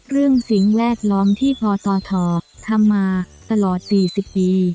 เรื่องสิ่งแวดล้อมที่พอต่อทำมาตลอดสี่สิบปี